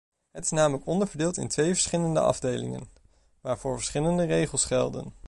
Het is namelijk onderverdeeld in twee verschillende afdelingen, waarvoor verschillende regels gelden.